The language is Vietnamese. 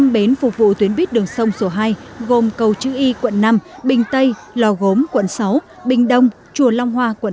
năm bến phục vụ tuyến buýt đường sông số hai gồm cầu chữ y quận năm bình tây lò gốm quận sáu bình đông chùa long hoa quận tám